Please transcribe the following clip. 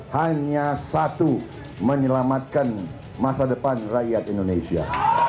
hanya satu menyelamatkan masa depan rakyat indonesia